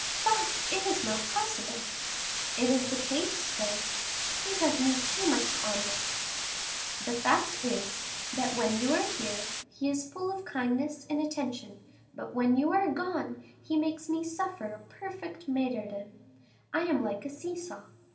"Bah! it is not possible." "It is the case, though." "He does me too much honor." "The fact is, that when you are here, he is full of kindness and attention, but when you are gone he makes me suffer a perfect martyrdom. I am like a see saw.